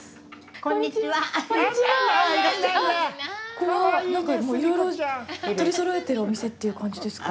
ここは、なんか、いろいろ取りそろえているお店という感じですか。